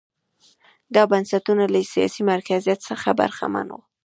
دا بنسټونه له سیاسي مرکزیت څخه برخمن وو.